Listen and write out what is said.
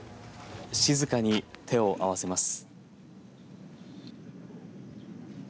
静かに手を合わせます。